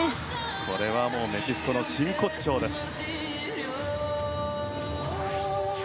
これはメキシコの真骨頂です。